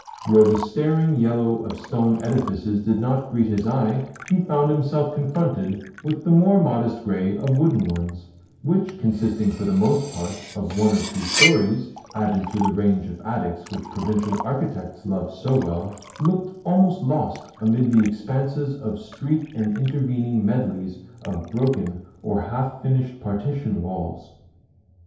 Where the staring yellow of stone edifices did not greet his eye he found himself confronted with the more modest grey of wooden ones; which, consisting, for the most part, of one or two storeys (added to the range of attics which provincial architects love so well), looked almost lost amid the expanses of street and intervening medleys of broken or half finished partition walls.